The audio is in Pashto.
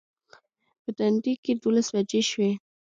په تندي کې دولس بجې شوې.